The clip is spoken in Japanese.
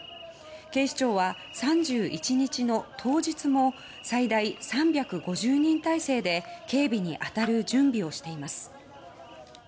警視庁は３１日の当日も最大３５０人態勢で警備に当たる準備をしています。